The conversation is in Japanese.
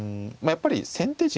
やっぱり先手陣